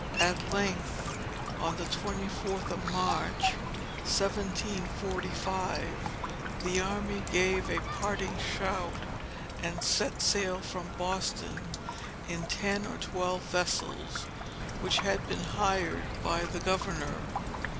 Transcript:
At length, on the twenty fourth of March, 1745, the army gave a parting shout, and set sail from Boston in ten or twelve vessels, which had been hired by the governor.